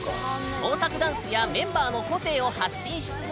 創作ダンスやメンバーの個性を発信し続け